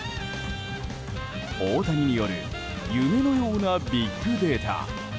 大谷による夢のようなビッグデータ。